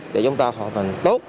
và họ thành tốt